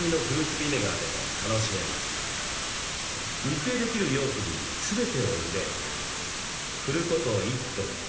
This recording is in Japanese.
密閉できる容器に全てを入れ振ること１分。